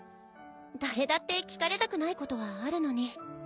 誰だって聞かれたくないことはあるのに。